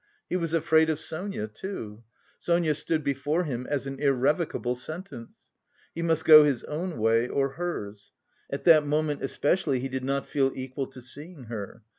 He was afraid of Sonia, too. Sonia stood before him as an irrevocable sentence. He must go his own way or hers. At that moment especially he did not feel equal to seeing her.